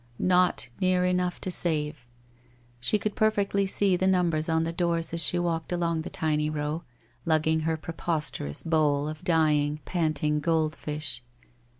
Not near enough to save! She could perfectly see the numbers on the doors as she walked along the tiny row, lugging her preposterous bowl of dying, panting gold fish.